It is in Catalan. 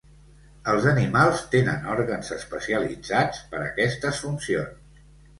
Els animals tenen òrgans especialitzats per aquestes funcions.